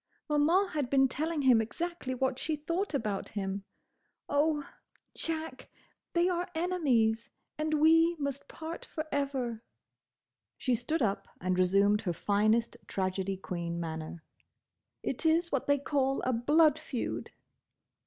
Maman had been telling him exactly what she thought about him. Oh, Jack, they are enemies and we must part forever." She stood up and resumed her finest tragedy queen manner. "It is what they call a blood feud!"